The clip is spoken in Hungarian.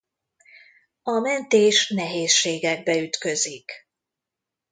A mentés nehézségekbe ütközik.